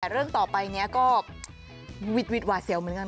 แต่เรื่องต่อไปนี้ก็วิดหวาเสียวเหมือนกัน